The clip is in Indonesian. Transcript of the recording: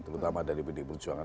terutama dari pendidik perjuangan